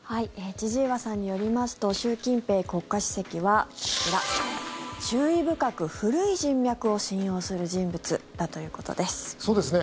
千々岩さんによりますと習近平国家主席はこちら、注意深く、古い人脈を信用する人物だということです。